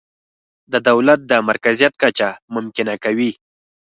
د دولت د مرکزیت کچه ممکنه کوي.